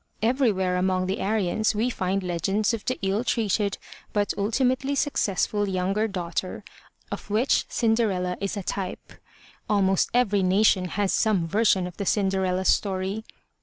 Everywhere among the Aryans we find legends of the ill treated but ultimately successful younger daughter, of which Cinderella is a type. Almost every nation has some version of the Cinderella story.